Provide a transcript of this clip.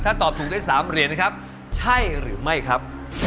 ถ้าตอบถูกได้๓เหรียญนะครับใช่หรือไม่ครับ